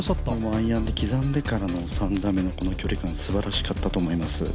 アイアンで刻んでからの３打目のこの距離感、すばらしかったです。